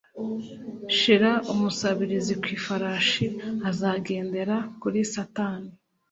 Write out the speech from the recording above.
shira umusabirizi ku ifarashi azagendera kuri satani.